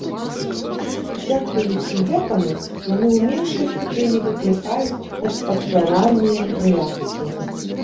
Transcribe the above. Дзякуючы гэтаму, яны ў меншай ступені выклікаюць поствакцынальныя рэакцыі.